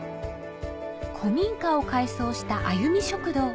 古民家を改装したあゆみ食堂